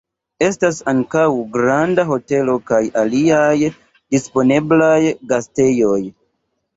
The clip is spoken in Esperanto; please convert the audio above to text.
Estas ankaŭ granda hotelo kaj aliaj disponeblaj gastejoj.